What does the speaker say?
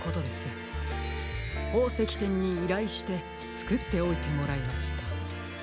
ほうせきてんにいらいしてつくっておいてもらいました。